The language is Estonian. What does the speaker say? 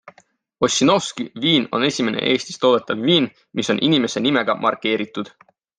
Ossinovsky viin on esimene Eestis toodetav viin, mis on inimese nimega markeeritud.